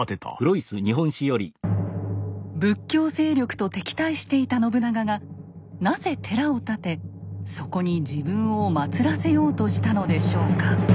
仏教勢力と敵対していた信長がなぜ寺を建てそこに自分をまつらせようとしたのでしょうか？